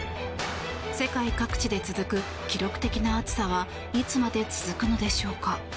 世界各地で続く記録的な暑さはいつまで続くのでしょうか。